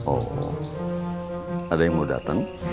oh ada yang mau datang